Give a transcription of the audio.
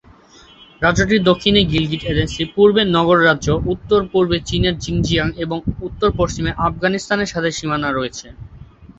রাজ্যটির দক্ষিণে গিলগিট এজেন্সি, পূর্বে নগর রাজ্য, উত্তর-পূর্বে চীনের জিনজিয়াং, এবং উত্তর-পশ্চিমে আফগানিস্তানের সাথে সীমানা রয়েছে।